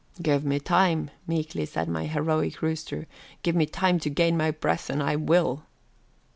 "Give me time," meekly said my heroic Rooster, "give me time to gain my breath and I will."